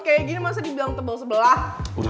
kayak gini masa dibilang tebel sebelah